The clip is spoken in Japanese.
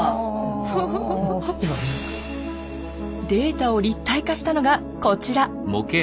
データを立体化したのがこちら。